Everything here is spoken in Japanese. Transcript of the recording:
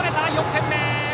４点目！